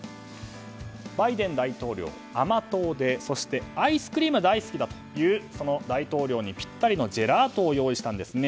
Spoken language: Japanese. バイデン大統領、甘党でそしてアイスクリームが大好きだという大統領にぴったりのジェラートを用意したんですね。